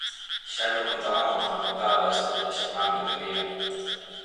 Xa llo contabamos na portada deste Telexornal Mediodía.